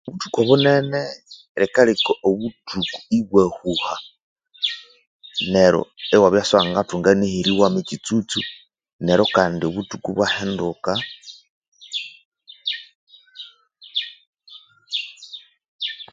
Obuthuku obunene likaleka obuthuku ibwahuha neryo iwabya isiwangathunga neheri wama ekyitsutsu neryo kandi obuthuku ibwa hinduka